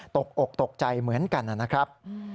ตกอกตกใจเหมือนกันนะครับ